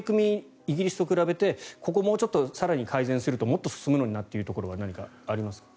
イギリスと比べてここもうちょっと更に改善するともっと進むのになっていうところは何かありますか？